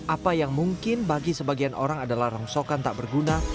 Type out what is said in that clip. apa yang mungkin bagi sebagian orang adalah rongsokan tak berguna